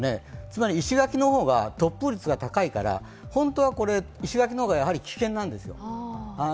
つまり石垣の方が突風率が高いから本当は石垣の方が危険なんですよ。